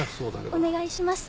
お願いします。